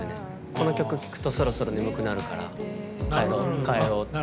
この曲聴くとそろそろ眠くなるから帰ろうって。